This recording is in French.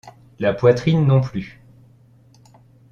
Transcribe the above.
La poitrine non plus. ..